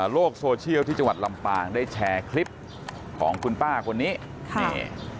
โลกโซเชียลที่จังหวัดลำปางได้แชร์คลิปของคุณป้าคนนี้ค่ะนี่